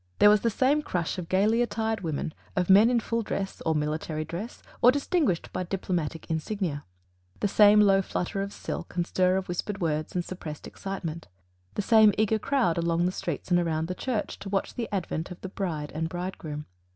There was the same crush of gayly attired women, of men in full dress, or military dress, or distinguished by diplomatic insignia: the same low flutter of silk, and stir of whispered words, and suppressed excitement the same eager crowd along the streets and around the church to watch the advent of the bride and bridegroom.